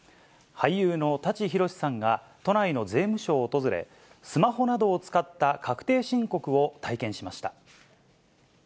俳優の舘ひろしさんが都内の税務署を訪れ、スマホなどを使った確定申告を体験しました。